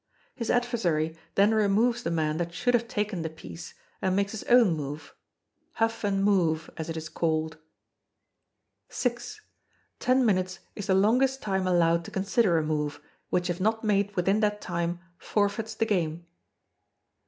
His adversary then removes the man that should have taken the piece, and makes his own move huff and move, as it is called.] vi. Ten minutes is the longest time allowed to consider a move, which if not made within that time, forfeits the game.